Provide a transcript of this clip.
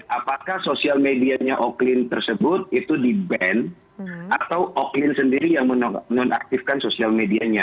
apakah sosial medianya oklin tersebut itu di ban atau oklin sendiri yang menonaktifkan sosial medianya